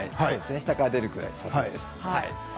下から出るくらいです。